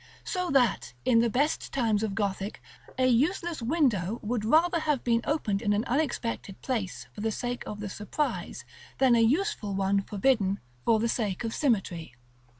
So that, in the best times of Gothic, a useless window would rather have been opened in an unexpected place for the sake of the surprise, than a useful one forbidden for the sake of symmetry.